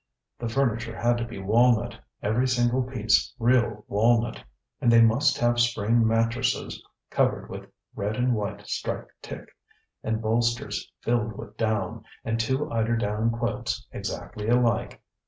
The furniture had to be walnut, every single piece real walnut. And they must have spring mattresses covered with red and white striped tick, and bolsters filled with down; and two eiderdown quilts, exactly alike.